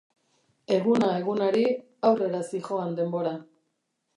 Eguna egunari, aurrera zihoan denbora.